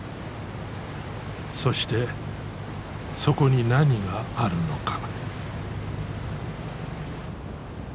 そしてそこに何があるのか。